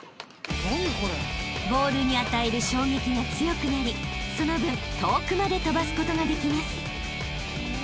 ［ボールに与える衝撃が強くなりその分遠くまで飛ばすことができます］